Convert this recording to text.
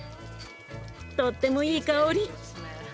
とってもいい香り！